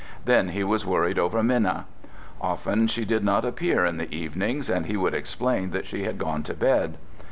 Then he was worried over Minna. Often she did not appear in the evenings, and he would explain that she had gone to bed.